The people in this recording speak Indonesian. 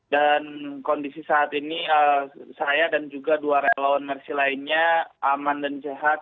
dan kondisi saat ini saya dan juga dua relawan mersi lainnya aman dan jahat